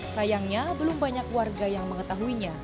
sayangnya belum banyak warga yang mengetahuinya